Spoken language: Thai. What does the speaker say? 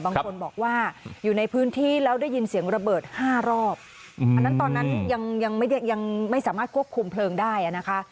บางคนบอกว่าอยู่ในพื้นที่แล้วได้ยินเสียงระเบิดห้ารอบอันนั้นตอนนั้นยังยังไม่สามารถควบคุมเพลิงได้อ่ะนะคะ